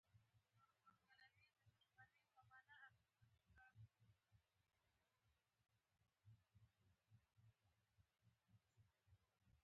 محمد صلى الله عليه وسلم د کبر او غرور نه ځان ساته.